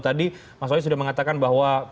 tadi mas wali sudah mengatakan bahwa